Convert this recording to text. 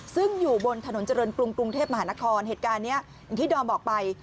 ซึ่งอยู่บนถนนเจริญกรุงเทพมหานครเหตุการณ์นี้อย่างที่ดอมบอกไป